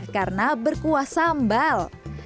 karena berkuas sambal